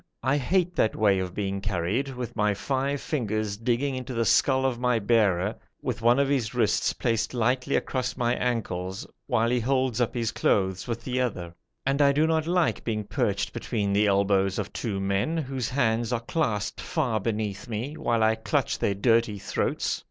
I hate that way of being carried, with my five fingers digging into the skull of my bearer, with one of his wrists placed lightly across my ankles, while he holds up his clothes with the other; and I do not like being perched between the elbows of two men, whose hands are clasped far beneath me, while I clutch their dirty throats.